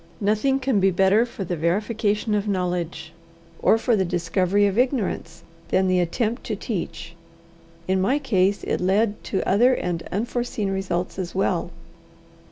Nothing can be better for the verification of knowledge, or for the discovery of ignorance, than the attempt to teach. In my case it led to other and unforeseen results as well.